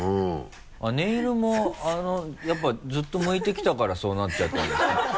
ネイルもやっぱずっと剥いてきたからそうなっちゃったんですか？